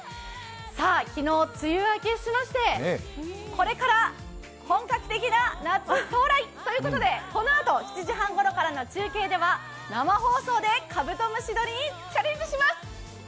昨日、梅雨明けしましてこれから本格的な夏到来ということで、このあと、７時半ごろからの中継では生放送でカブトムシ捕りにチャレンジします！